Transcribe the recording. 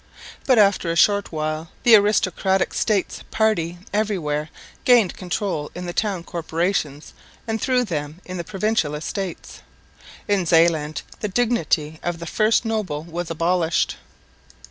But after a short while the aristocratic States party everywhere gained control in the town corporations and through them in the Provincial Estates. In Zeeland the dignity of "first noble" was abolished.